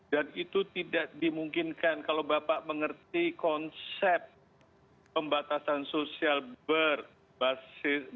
dan itu tidak dimungkinkan kalau bapak mengerti konsep pembatasan sosial berbasis